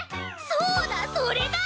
そうだそれだ！